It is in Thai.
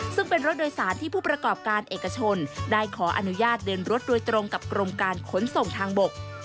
ซึ่งเป็นรถโดยสารที่ผู้ประกอบการเอกชนได้ขออนุญาตเดินรถโดยตรงกับกรมการขนส่งทางบก